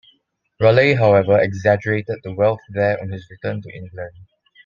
Raleigh however exaggerated the wealth there on his return to England.